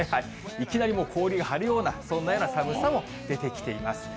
いきなりもう氷が張るような、そんなような寒さも出てきています。